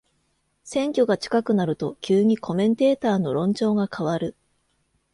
選挙が近くなると急にコメンテーターの論調が変わる